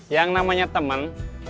yang namanya teman